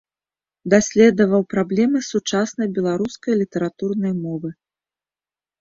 Даследаваў праблемы сучаснай беларускай літаратурнай мовы.